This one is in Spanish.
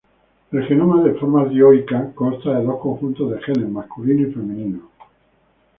El genoma de formas dioicas consta de dos conjuntos de genes: masculino y femenino.